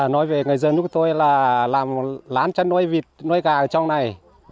nói về người dân của tôi là làm lán chân nôi vịt nôi gà ở trong này